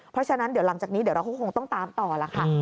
เพราะฉะนั้นเดี๋ยวหลังจากนี้เดี๋ยวเราก็คงต้องตามต่อล่ะค่ะ